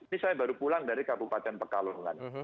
ini saya baru pulang dari kabupaten pekalongan